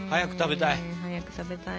早く食べたい。